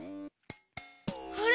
あれ？